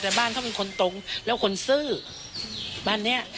แต่บ้านเขาเป็นคนตรงแล้วคนซื่อบ้านเนี้ย